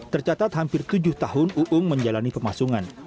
tercatat hampir tujuh tahun uung menjalani pemasungan